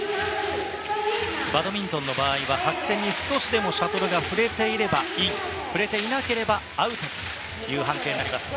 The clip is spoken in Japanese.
バドミントンの場合は白線に少しでも触れていればイン触れていなければアウトという判定になります。